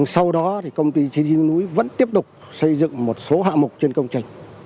sau đó thì công ty trí núi vẫn tiếp tục xây dựng một số hạ mục trên công trình